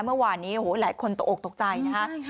เมื่อวานนี้หลายคนตกอกตกใจนะครับ